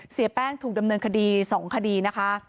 เสียแป้งถูกดำเนินคดี๒คดีนะคะ